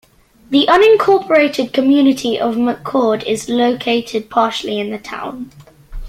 The unincorporated community of McCord is located partially in the town.